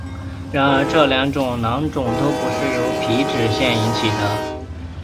然而这两种囊肿都不是由皮脂腺引起的。